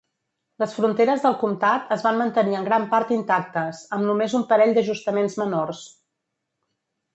Les fronteres del comtat es van mantenir en gran part intactes, amb només un parell d'ajustaments menors.